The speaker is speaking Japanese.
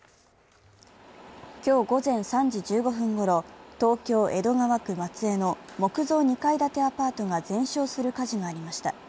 今日午前３時１５分ごろ、東京・江戸川区松江の木造２階建てアパートが全焼する火事がありました。